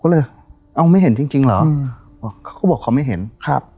ก็เลยเอาไม่เห็นจริงจริงเหรออืมเขาก็บอกเขาไม่เห็นครับ